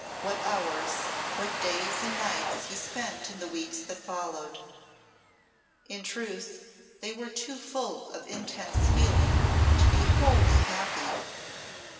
What hours, what days and nights he spent in the weeks that followed. In truth they were too full of intense feeling to be wholly happy.